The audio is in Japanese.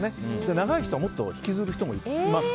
長い人はもっと引きずる人もいます。